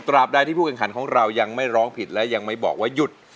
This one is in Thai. ใดที่ผู้แข่งขันของเรายังไม่ร้องผิดและยังไม่บอกว่าหยุด